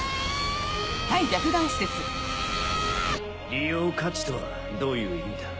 利用価値とはどういう意味だ？